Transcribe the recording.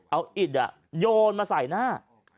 เอาอิดโยนมาใส่หน้า